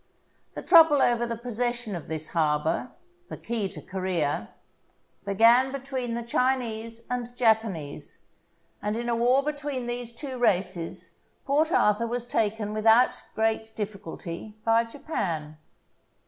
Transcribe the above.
The trouble over the possession of this harbour — the key to Corea — began between the Chinese and Japanese; and in a war between these two races Port Arthur was taken without great difficulty by Japan.